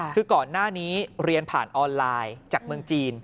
คือก่อนหน้านี้เรียนผ่านออนไลน์จากเมืองจีน